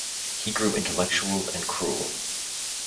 He grew intellectual and cruel.